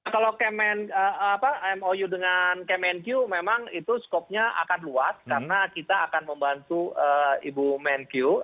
kalau kemen mou dengan kemenq memang itu skopnya akan luas karena kita akan membantu ibu menkyu